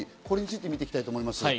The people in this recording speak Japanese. これについてみていきたいと思います。